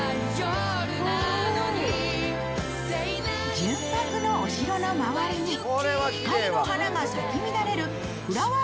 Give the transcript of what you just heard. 純白のお城の周りに光の花が咲き乱れるフラワー